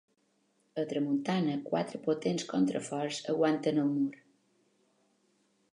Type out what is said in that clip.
A tramuntana quatre potents contraforts aguanten el mur.